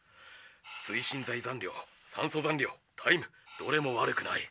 推進剤残量酸素残量タイムどれも悪くない。